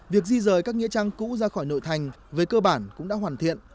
việc di rời các nghĩa trang cũ ra khỏi nội thành về cơ bản cũng đã hoàn thiện